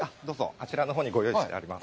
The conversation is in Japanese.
あちらのほうに御用意してあります。